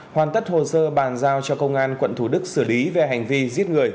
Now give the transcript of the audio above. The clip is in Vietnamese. hoàn tất hồ sơ bàn giao cho công an quận thủ đức xử lý về hành vi giết người